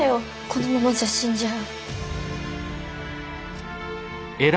このままじゃ死んじゃう。